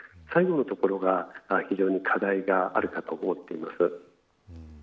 最後のところが、非常に課題があるかと思っています。